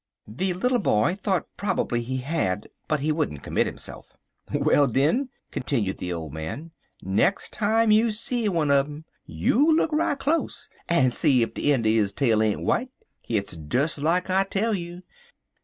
The little boy thought probably he had, but he wouldn't commit himself. "Well, den," continued the old man, "nex' time you see one un um, you look right close en see ef de een' er his tail ain't w'ite. Hit's des like I tell you.